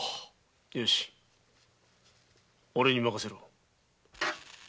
よしおれに任せろ。